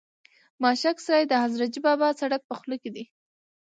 ماشک سرای د حضرتجي بابا سرک په خوله کې و.